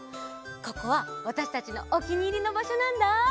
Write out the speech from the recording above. ここはわたしたちのおきにいりのばしょなんだ！